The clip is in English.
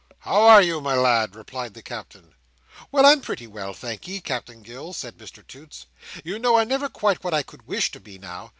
"How are, you, my lad?" replied the Captain. "Well, I'm pretty well, thank'ee, Captain Gills," said Mr Toots. "You know I'm never quite what I could wish to be, now.